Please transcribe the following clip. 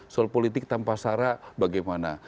soal politik tanpa syarat bagaimana